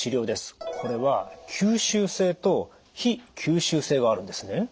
これは吸収性と非吸収性があるんですね？